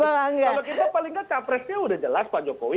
kalau kita paling enggak cawapresnya sudah jelas pak jokowi